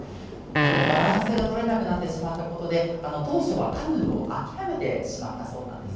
バランスがとれなくなってしまったところで当初はカヌーを諦めてしまったそうなんですね。